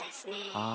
ああ。